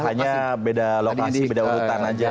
hanya beda lokasi beda urutan aja